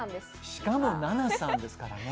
しかも菜奈さんですからね。